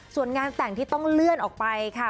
ส่วนงานแต่งที่ต้องเลื่อนออกไปค่ะ